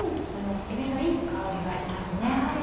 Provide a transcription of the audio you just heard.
えびのいい香りがしますね。